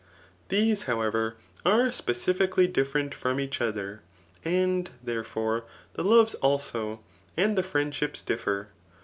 These, however, are specifically different from each other J and, therefore, the loves also, and the friend ships differ.